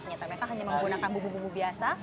ternyata mereka hanya menggunakan bubuk bubuk biasa